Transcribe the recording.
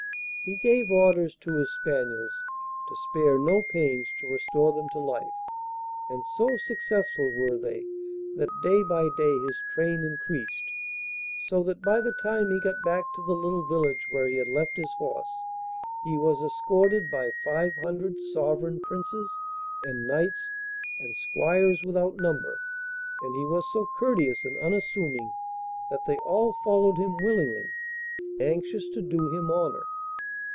He gave orders to his spaniels to spare no pains to restore them to life, and so successful were they that day by day his train increased, so that by the time he got back to the little village where he had left his horse he was escorted by five hundred sovereign Princes, and knights and squires without number, and he was so courteous and unassuming that they all followed him willingly, anxious to do him honour.